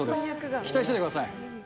期待しててください。